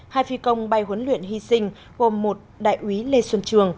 hai phi công bay huấn luyện hy sinh gồm một đại úy lê xuân trường